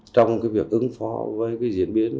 trong việc ứng phó với diễn biến